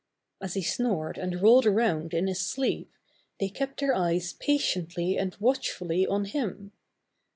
As he snored and rolled around in his sleep, they kept their eyes patiently and watchfully on him.